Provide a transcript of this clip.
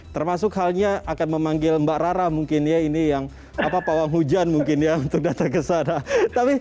termasuk halnya akan memanggil mbak rara mungkin ya ini yang pawang hujan mungkin ya untuk datang ke sana